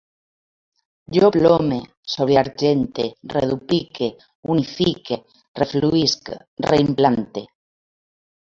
Jo plome, sobreargente, reduplique, unifique, refluïsc, reimplante